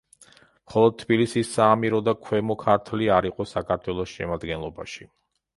მხოლოდ თბილისის საამირო და ქვემო ქართლი არ იყო საქართველოს შემადგენლობაში.